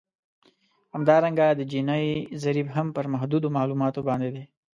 همدارنګه د جیني ضریب هم پر محدودو معلوماتو باندې دی